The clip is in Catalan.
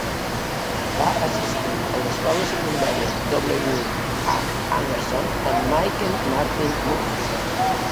Va assistir a l'escola secundària W. H. Adamson amb Michael Martin Murphey.